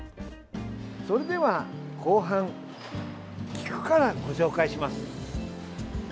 それでは後半菊から、ご紹介します。